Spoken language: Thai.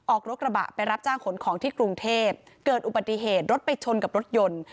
ออกรถกระบะไปรับจ้างขนของที่กรุงเทพเกิดอุบัติเหตุรถไปชนกับรถยนต์